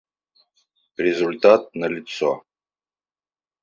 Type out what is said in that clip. Результат налицо